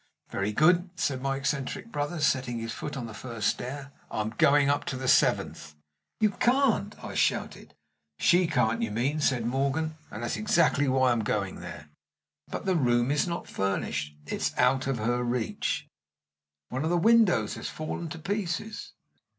"Very good," said my eccentric brother, setting his foot on the first stair, "I'm going up to the seventh." "You can't," I shouted. "She can't, you mean," said Morgan, "and that's exactly why I'm going there." "But the room is not furnished." "It's out of her reach." "One of the windows has fallen to pieces."